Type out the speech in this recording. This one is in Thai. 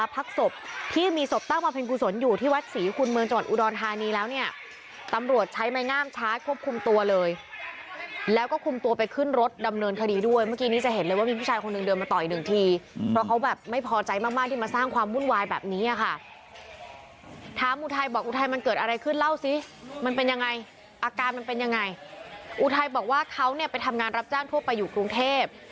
พักศพที่มีศพตั้งมาเป็นกุศลอยู่ที่วัดศรีคุณเมืองจังหวัดอุดรธานีแล้วเนี่ยตำรวจใช้ไม้งามชาร์จควบคุมตัวเลยแล้วก็คุมตัวไปขึ้นรถดำเนินคดีด้วยเมื่อกี้นี่จะเห็นเลยว่ามีผู้ชายคนเดินมาต่ออีกหนึ่งทีเพราะเขาแบบไม่พอใจมากที่มาสร้างความวุ่นวายแบบนี้ค่ะถามอุทัยบอกอุทัยมันเ